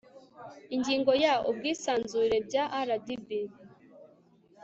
ingingo ya ubwisanzure bya rdb